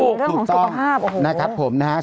เรื่องของสุขภาพ